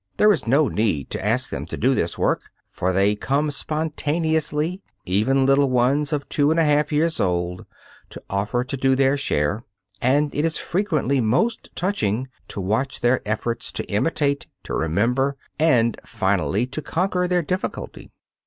There is no need to ask them to do this work, for they come spontaneously even little ones of two and a half years old to offer to do their share, and it is frequently most touching to watch their efforts to imitate, to remember, and, finally, to conquer their difficulty.